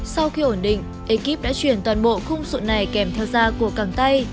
sau khi ổn định ekip đã chuyển toàn bộ khung sự này kèm theo da của cẳng tay